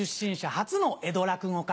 初の江戸落語家。